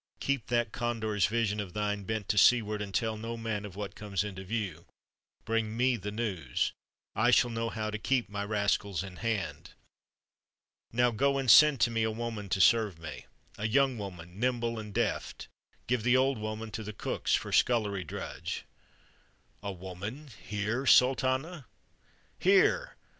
Keep that condor's vision of thine bent to seaward, and tell no man of what comes into view. Bring me the news; I shall know how to keep my rascals in hand. Now go and send to me a woman to serve me: a young woman, nimble and deft; give the old woman to the cooks for scullery drudge." "A woman here, Sultana?" "Here!